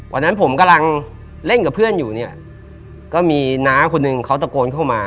วันนั้นผมกำลังเล่นกับเพื่อนอยู่เนี่ยก็มีน้าคนหนึ่งเขาตะโกนเข้ามา